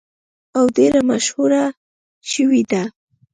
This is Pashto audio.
او ډیره مشهوره شوې ده.